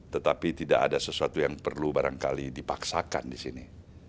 tetapi tidak ada sesuatu yang perlu barangkali dipaksakan di sini